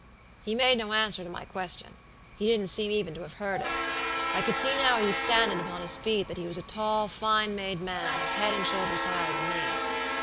"He made no answer to my question; he didn't seem even to have heard it. I could see now he was standin' upon his feet that he was a tall, fine made man, a head and shoulders higher than me.